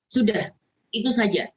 sudah itu saja